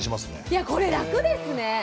いやこれ楽ですね！